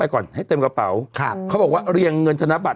ขอให้โล่ง